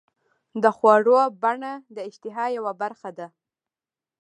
د خوړو بڼه د اشتها یوه برخه ده.